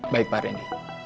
baik pak rendy